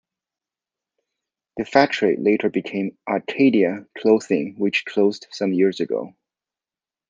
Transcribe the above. The factory later became Arcadia Clothing which closed some years ago.